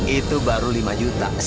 itu baru lima juta